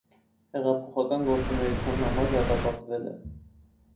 Հեղափոխական գործունեության համար դատապարտվել է։